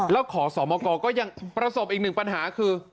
แล้วขอสมกรก็ยังประสบอีกหนึ่งปัญหาคือ